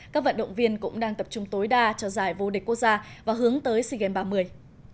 các vận động viên cũng đang tập trung tối đa cho giải vô địch quốc gia và hướng tới sea games ba mươi